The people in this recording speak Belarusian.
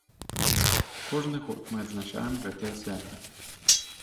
Кожны год мы адзначаем гэтае свята.